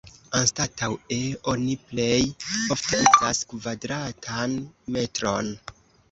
Anstataŭe, oni plej ofte uzas "kvadratan metron".